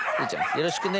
よろしくね